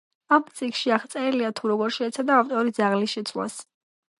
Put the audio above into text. ამ წიგნში აღწერილია თუ როგორ შეეცადა ავტორი ძაღლის შეცვლას.